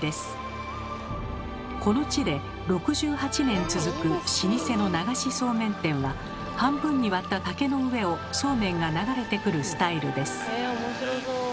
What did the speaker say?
この地で６８年続く老舗の流しそうめん店は半分に割った竹の上をそうめんが流れてくるスタイルです。